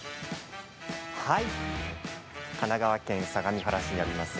神奈川県相模原市にあります